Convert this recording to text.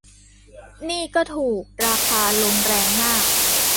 นี่ก็ถูก ราคาลงแรงมาก